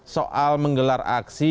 soal menggelar aksi